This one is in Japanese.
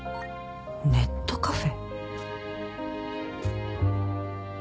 ネットカフェ？